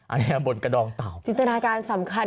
อันนี้บนกระดองเต่าจินตนาการสำคัญ